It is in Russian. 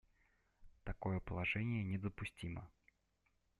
Такое положение недопустимо.